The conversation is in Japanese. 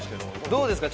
どうですか？